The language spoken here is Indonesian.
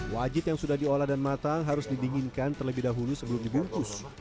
wajit yang sudah diolah dan matang harus didinginkan terlebih dahulu sebelum dibungkus